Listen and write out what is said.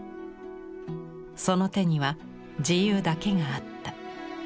その手には自由だけがあった。